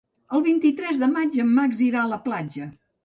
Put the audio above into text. El vint-i-tres de maig en Max irà a la platja.